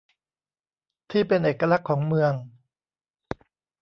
ที่เป็นเอกลักษณ์ของเมือง